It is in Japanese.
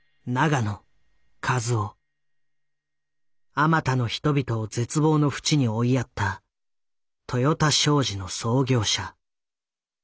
あまたの人々を絶望のふちに追いやった豊田商事の創業者。